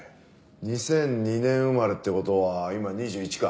２００２年生まれって事は今２１か。